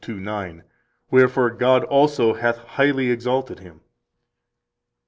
2:9: Wherefore God also hath highly exalted Him.